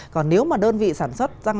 còn nếu mà đơn vị sản xuất